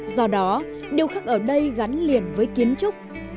do đó điều khắc ở đây gắn liền với kiến trúc